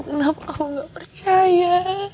kenapa kamu gak percaya